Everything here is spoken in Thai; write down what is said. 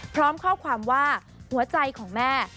พร้อมข้อความว่าหัวใจของแม่